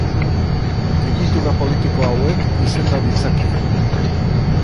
Egitura politiko hauek izenda ditzake.